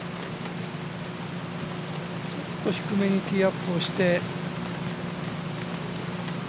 ちょっと低めにティーアップをして。